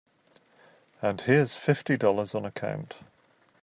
And here's fifty dollars on account.